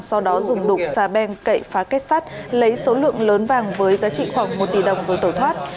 sau đó dùng đục xà beng cậy phá kết sắt lấy số lượng lớn vàng với giá trị khoảng một tỷ đồng rồi tẩu thoát